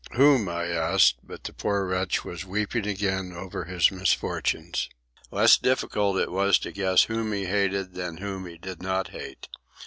"Whom?" I asked; but the poor wretch was weeping again over his misfortunes. Less difficult it was to guess whom he hated than whom he did not hate.